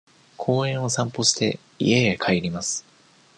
公園を散歩して、家へ帰ります。